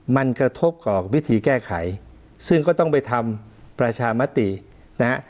มันกระทบกับวิธีแก้ไขซึ่งก็ต้องไปทำประชามตินะฮะ